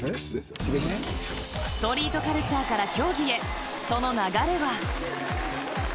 ストリートカルチャーから競技へ、その流れは。